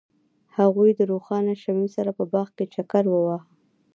هغوی د روښانه شمیم سره په باغ کې چکر وواهه.